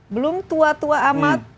belum tua tua amat